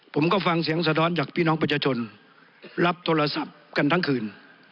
ผมก็ฟังเสียงสะท้อนจากพี่น้องประชาชนรับโทรศัพท์กันทั้งคืน